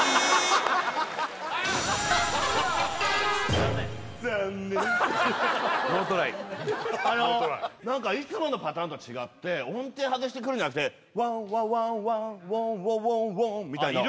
残念残念ノートライノートライ何かいつものパターンと違って音程外してくるんじゃなくて「ワンワワンワン」「ウォンウォウォンウォン」みたいなあっ